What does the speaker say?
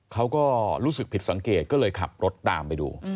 เขาก็รู้สึกผิดสังเกตก็เลยขับรถตามไปดู